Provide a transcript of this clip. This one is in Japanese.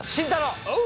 おう！